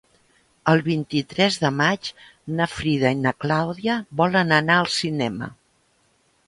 El vint-i-tres de maig na Frida i na Clàudia volen anar al cinema.